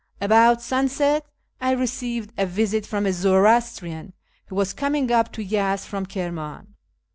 About sunset I received a visit from a Zoroastrian who was coming up to Yezd from Kirman.